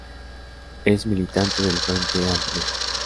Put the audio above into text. Es militante del Frente Amplio.